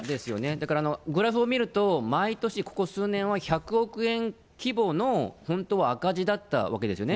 だからグラフを見ると、毎年、ここ数年は１００億円規模の本当は赤字だったわけですよね。